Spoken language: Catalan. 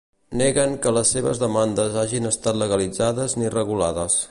Neguen que les seves demandes hagin estat legalitzades ni regulades.